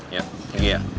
ya terima kasih ya